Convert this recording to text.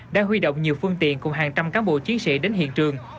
đã huy động nhiều phương tiện cùng hàng trăm cán bộ chiến sĩ đến hiện trường